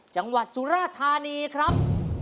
จังหวัดสุราธารณีครับ